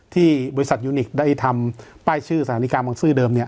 ที่บริษัทยูนิคได้ทำป้ายชื่อสถานีกลางบังซื้อเดิม